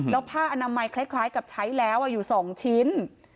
แล้วผ้าอนามัยคล้ายกับใช้แล้วอยู่๒ชิ้น